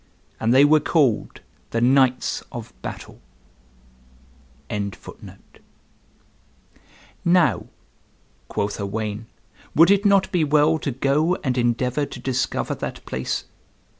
And they were called the Knights of Battle."] "Now," quoth Owain, "would it not be well to go and endeavor to discover that place?"